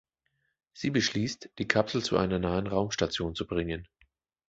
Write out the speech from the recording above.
Sie beschließt, die Kapsel zu einer nahen Raumstation zu bringen.